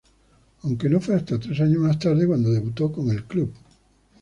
Aunque no fue hasta tres años más tarde cuando debutó con el club.